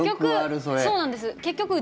そうなんです。